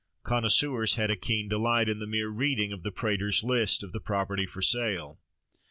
Connoisseurs had a keen delight in the mere reading of the Praetor's list of the property for sale.